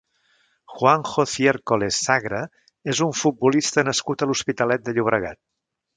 Juanjo Ciércoles Sagra és un futbolista nascut a l'Hospitalet de Llobregat.